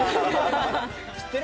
知ってる？